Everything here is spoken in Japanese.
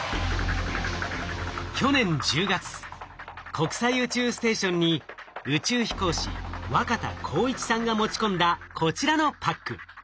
国際宇宙ステーションに宇宙飛行士若田光一さんが持ち込んだこちらのパック。